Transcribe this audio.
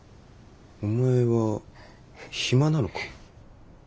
お前は暇なのか？